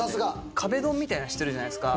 壁ドンみたいなのしてるじゃないですか。